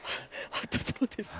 本当そうですね。